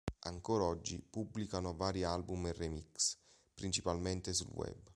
Ancor oggi pubblicano vari album e remix, principalmente sul web.